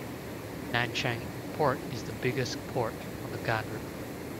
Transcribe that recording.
Nanchang Port is the biggest port on the Gan River.